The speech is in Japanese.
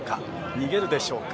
逃げるでしょうか。